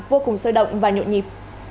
vô cùng sôi động và nhộn nhịp